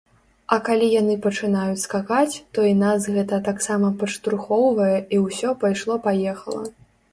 А калі яны пачынаюць скакаць, то і нас гэта таксама падштурхоўвае і ўсё, пайшло-паехала.